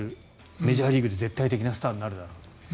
メジャーリーグで絶対的なスターになるだろうと。